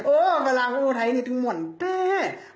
โอ้ฝรั่งอู้ไทยนี่ถึงหม่อนแป๊ะ